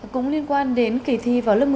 cũng liên quan đến kỳ thi vào lớp một